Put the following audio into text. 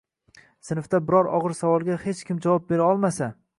sinfda biror og‘ir savolga hech kim javob bera olmasa